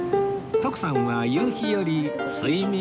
徳さんは夕日より睡眠